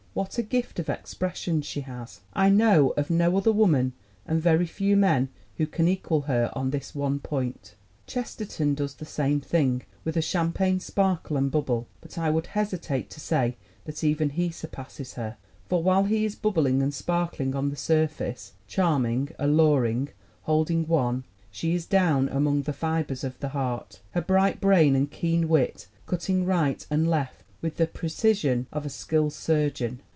What a gift of expression she has! I know of no other woman and very few men who can equal her on this one point. "Chesterton does the same thing, with a champagne sparkle and bubble, but I would hesitate to say that even he surpasses her, for while he is bubbling and sparkling on the surface, charming, alluring, holding one, she is down among the fibers of the heart, her bright brain and keen wit cutting right and left with the precision of a skilled surgeon.